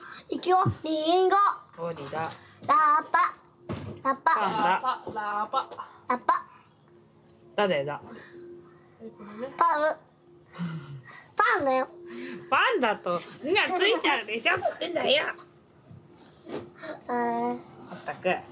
まったく。